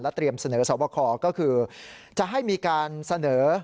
เตรียมเสนอสอบคอก็คือจะให้มีการเสนอ